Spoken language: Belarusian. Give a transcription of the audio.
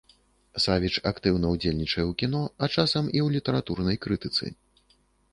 Савіч актыўна ўдзельнічае ў кіно, а часам і ў літаратурнай крытыцы.